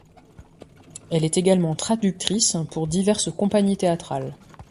Elle est également traductrice pour diverses compagnies théâtrales.